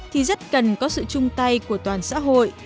thì rất cần có sự chung tay của toàn xã hội